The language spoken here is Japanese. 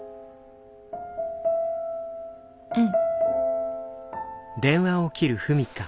うん。